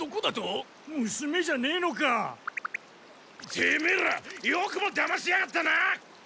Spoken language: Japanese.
テメエらよくもだましやがったな！